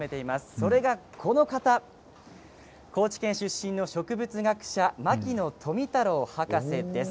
それが高知県出身の植物学者牧野富太郎博士です。